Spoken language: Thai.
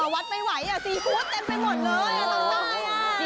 อ๋อวัดไปไหวซีฟู้ดเต็มไปหมดเลยต่างนี่อ๋อ